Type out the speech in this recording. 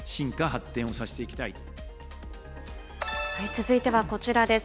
続いてはこちらです。